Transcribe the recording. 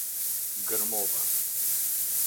Gërmova